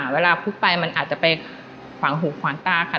เวลาพุกไปมันอาจจะไปขวางหูขวางตาค่ะ